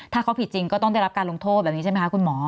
ถ้าเขาผิดจริงก็ต้องได้รับการลงโทษแบบนี้ใช่ไหมคะคุณหมอ